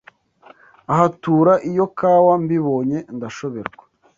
Ahatura iyo kawa Mbibonye ndashoberwa